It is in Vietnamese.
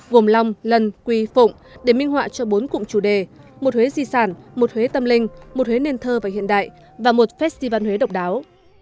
gồm long lần quy phụng để minh họa cho bốn cụm chủ đề một huế di sản một huế tâm linh một huế nền thơ và hiện đại và một festival huế độc đáo